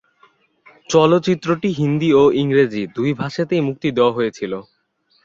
চলচ্চিত্রটি হিন্দি এবং ইংরেজি দুটি ভাষাতেই মুক্তি দেওয়া হয়েছিলো।